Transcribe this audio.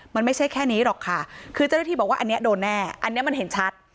มันไม่ใช่แค่นี้หรอกค่ะคือเจ้าหน้าที่บอกว่าอันนี้โดนแน่อันนี้มันเห็นชัด